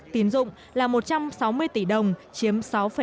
tín dụng là một trăm sáu mươi tỷ đồng chiếm sáu năm